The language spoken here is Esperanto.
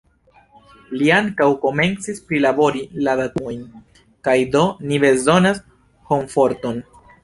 Li ankaŭ komencis prilabori la datumojn kaj do ni bezonas homforton.